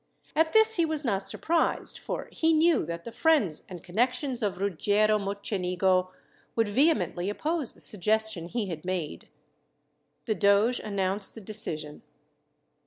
At this he was not surprised, for he knew that the friends and connections of Ruggiero Mocenigo would vehemently oppose the suggestion he had made. The doge announced the decision.